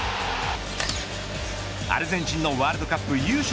アルゼンチンのワールドカップ優勝